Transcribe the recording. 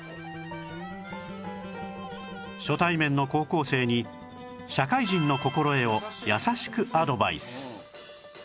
初対面の高校生に社会人の心得を優しくアドバイス